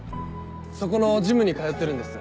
そこのジムに通ってるんです。